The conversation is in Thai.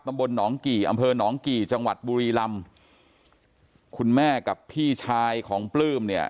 ตำบลหนองกี่อำเภอหนองกี่จังหวัดบุรีลำคุณแม่กับพี่ชายของปลื้มเนี่ย